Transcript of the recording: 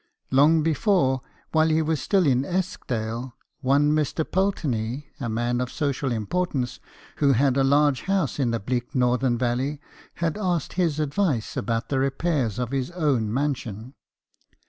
Long before, while he was still in Eskdale, one Mr. Pulteney, a man of social importance, who had a large house in the bleak northern valley, had asked his advice about the repairs of his own mansion.